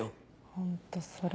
ホントそれ。